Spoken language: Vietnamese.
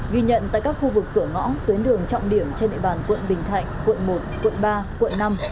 ghi nhận tại các khu vực cửa ngõ tuyến đường trọng điểm trên địa bàn quận bình thạnh quận một quận ba quận năm